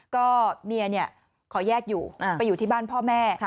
ก็เมียขอแยกอยู่ไปอยู่ที่บ้านพ่อแม่